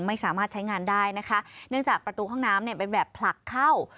ไม่สามารถใช้งานได้นะคะเนื่องจากประตูห้องน้ำเนี่ยเป็นแบบผลักเข้า